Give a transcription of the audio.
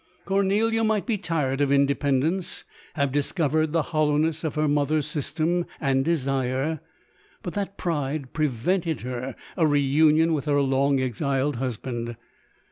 Cornelia might be tired of independence, have discovered the hollowness of her mother's system, and de sire, but that pride prevented her, a reunion with her long exiled husband.